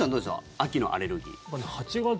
秋のアレルギー。